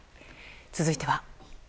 続いては。